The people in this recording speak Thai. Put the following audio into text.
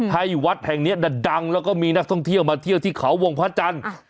ให้วัดแห่งนี้ดังแล้วก็มีนักท่องเที่ยวมาเที่ยวที่เขาวงพระจันทร์